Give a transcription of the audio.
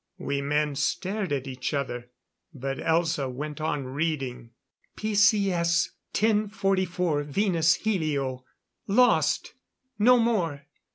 '"_ We men stared at each other. But Elza went on reading. _"P.C.S. 10.44 Venus helio. 'Lost! No more!